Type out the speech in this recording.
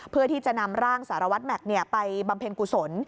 เพื่อที่จะนำร่างสารวัตรแม็กซ์ไปบำเพ็ญกุศล